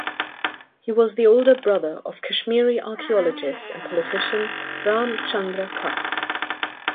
He was the older brother of Kashmiri archaeologist and politician Ram Chandra Kak.